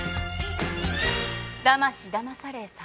だましだまされ３４年。